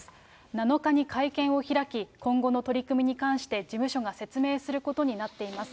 ７日に会見を開き、今後の取り組みに関して、事務所が説明することになっています。